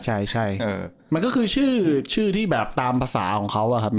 ใช่มันก็คือชื่อที่แบบตามภาษาของเขาอะครับ